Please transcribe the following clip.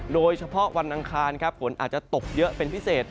โดยเฉพาะวันอังคารครับฝนอาจจะตกเยอะเป็นพิเศษ